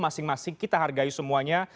masing masing kita hargai semuanya